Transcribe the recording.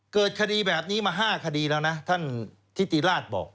เกิดคดีแบบนี้มา๕คดีแล้วนะท่านทิติราชบอก